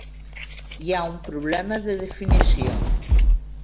Hi ha un problema de definició.